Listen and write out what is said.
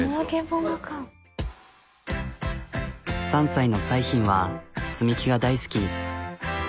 ３歳の彩浜は積み木が大好き。